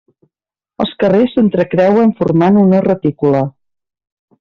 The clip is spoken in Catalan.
Els carrers s'entrecreuen formant una retícula.